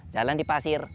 jalan di pasir